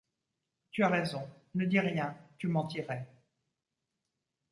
Tu as raison… ne dis rien… tu mentirais.